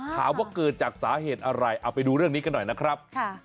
ถามว่าเกิดจากสาเหตุอะไรเอาไปดูเรื่องนี้กันหน่อยนะครับ